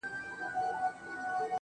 خو ستا د وصل په ارمان باندي تيريږي ژوند